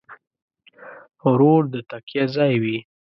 ورور د تکیه ځای وي.